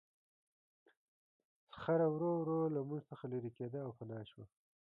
صخره ورو ورو له موږ څخه لیرې کېده او پناه شوه.